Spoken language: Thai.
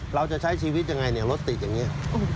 เราจะใช้ชีวิตยังไงเนี่ยรถติดอย่างนี้